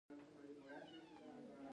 د اقتصاد وزارت پرمختیايي پلانونه جوړوي